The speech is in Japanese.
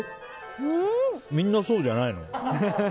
みんなそうじゃないの？